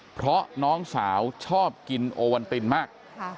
เพราะน้องสาวชอบกินโอวันตินมาก